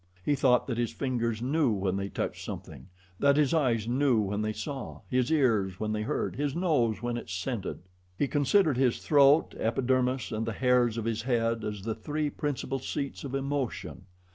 He thought that his fingers knew when they touched something, that his eyes knew when they saw, his ears when they heard, his nose when it scented. He considered his throat, epidermis, and the hairs of his head as the three principal seats of emotion.